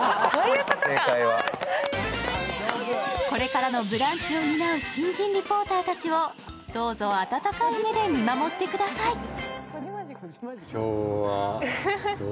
これからの「ブランチ」を担う新人リポーターたちをどうぞ温かい目で見守ってください。